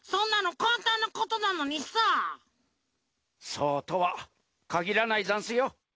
そうとはかぎらないざんすよ。